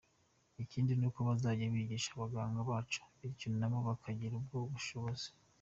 Ikindi ni uko bazajya bigisha abaganga bacu bityo na bo bakagira ubwo bushobozi.